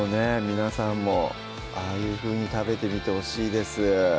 皆さんもああいうふうに食べてみてほしいです